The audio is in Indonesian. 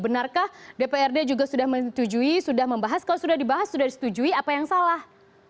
benarkah dprd juga sudah menyetujui sudah membahas kalau sudah dibahas sudah disetujui apa yang salah